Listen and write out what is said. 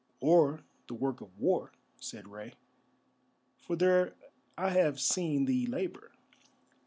"Or the work of war," said Rei. "For there I have seen thee labour.